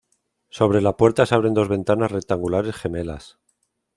Sobre la puerta se abren dos ventanas rectangulares gemelas.